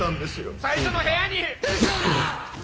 最初の部屋に。